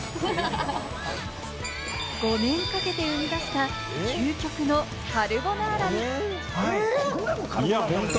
５年かけて生み出した究極のカルボナーラ。